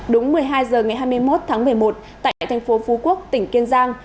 đúng một mươi hai h ngày hai mươi một tháng một mươi một tại thành phố phú quốc tỉnh kiên giang